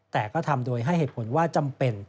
แต่ก็ทำโดยให้เหตุผลว่าจำเป็น